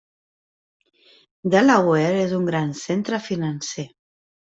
Delaware és un gran centre financer.